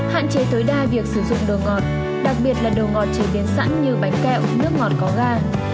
hạn chế tối đa việc sử dụng đồ ngọt đặc biệt là đồ ngọt chế biến sẵn như bánh kẹo nước ngọt có ga